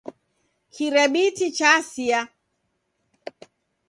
Kirebiti chasia.